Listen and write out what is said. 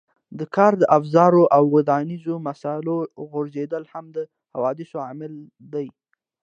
د کار د افزارو او ودانیزو مسالو غورځېدل هم د حوادثو عامل دی.